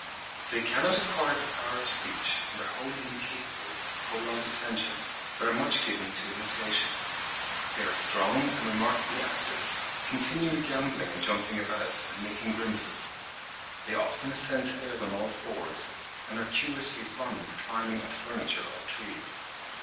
They cannot acquire the power of speech, and are wholly incapable of prolonged attention, but are much given to imitation. They are strong and remarkably active, continually gambolling and jumping about, and making grimaces. They often ascend stairs on all fours; and are curiously fond of climbing up furniture or trees.